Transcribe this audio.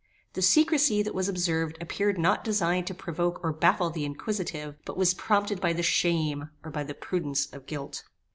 The secrecy that was observed appeared not designed to provoke or baffle the inquisitive, but was prompted by the shame, or by the prudence of guilt.